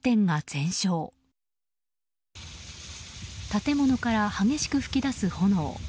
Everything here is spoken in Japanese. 建物から激しく噴き出す炎。